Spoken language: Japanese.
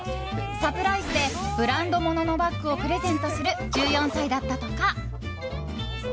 サプライズでブランド物のバッグをプレゼントする１４歳だったとか。